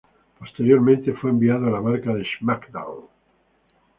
Posteriormente fue enviado a la marca de SmackDown.